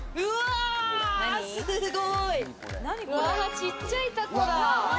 すごい！ちっちゃいタコだ。